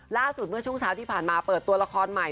เมื่อช่วงเช้าที่ผ่านมาเปิดตัวละครใหม่